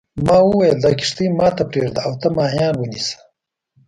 ما وویل دا کښتۍ ما ته پرېږده او ته ماهیان ونیسه.